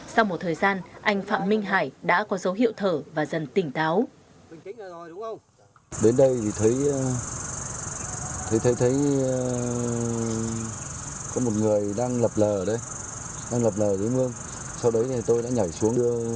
sau một thời gian anh phạm minh hải đã có dấu hiệu thở và dần tỉnh táo